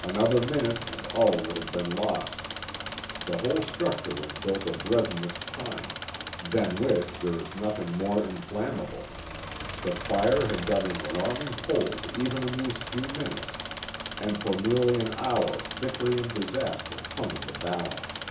Another minute and all would have been lost. The whole structure was built of resinous pine, than which there is nothing more inflammable. The fire had got an alarming hold even in those few minutes, and for nearly an hour victory and disaster hung in the balance.